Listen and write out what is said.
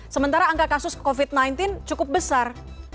sementara angka kasus covid sembilan belas cukup besar